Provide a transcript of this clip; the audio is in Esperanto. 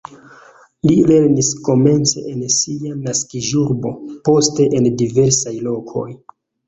Li lernis komence en sia naskiĝurbo, poste en diversaj lokoj.